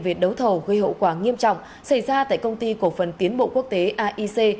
về đấu thầu gây hậu quả nghiêm trọng xảy ra tại công ty cổ phần tiến bộ quốc tế aic